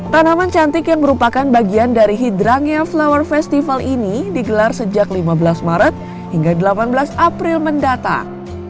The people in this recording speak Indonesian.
tanaman cantik yang merupakan bagian dari hidrangnya flower festival ini digelar sejak lima belas maret hingga delapan belas april mendatang